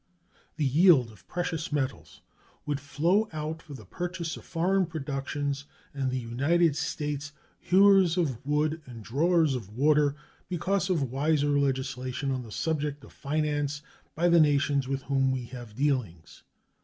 The yield of precious metals would flow out for the purchase of foreign productions and the United States "hewers of wood and drawers of water," because of wiser legislation on the subject of finance by the nations with whom we have dealings.